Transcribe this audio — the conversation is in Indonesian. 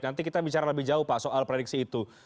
nanti kita bicara lebih jauh pak soal prediksi itu